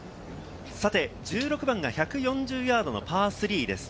１６番が１４０ヤードのパー３です。